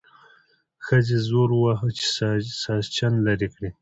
ښځې زور وواهه چې ساسچن لرې کړي.